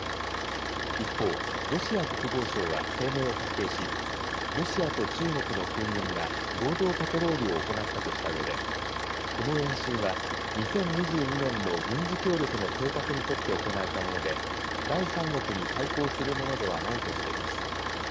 一方、ロシア国防省は声明を発表しロシアと中国の空軍が合同パトロールを行ったとしたうえでこの演習は２０２２年の軍事協力の計画に沿って行われたもので第三国に対抗するものではないとしています。